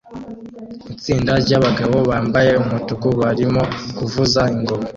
Itsinda ryabagabo bambaye umutuku barimo kuvuza ingoma